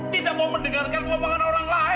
tidak mau mendengarkan ngomongan orang lain